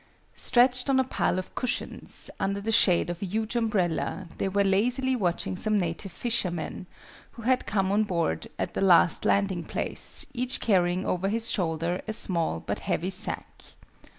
Stretched on a pile of cushions, under the shade of a huge umbrella, they were lazily watching some native fishermen, who had come on board at the last landing place, each carrying over his shoulder a small but heavy sack.